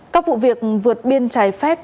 các vụ việc vượt biên trái phép